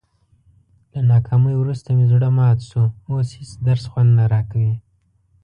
له ناکامۍ ورسته مې زړه مات شو، اوس هېڅ درس خوند نه راکوي.